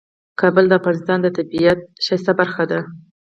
کابل د افغانستان د طبیعت د ښکلا برخه ده.